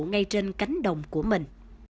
ngay trên cánh đồng của mình